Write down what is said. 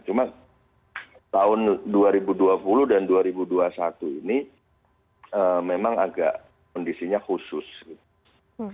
cuma tahun dua ribu dua puluh dan dua ribu dua puluh satu ini memang agak kondisinya khusus gitu